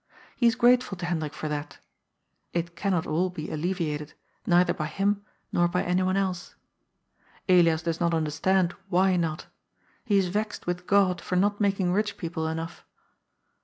He is grate ful to Hendrik for that It cannot all be alleviated, neither by him, nor by anyone else. Elias does not understand why not He is vexed with God for not making rich people enough.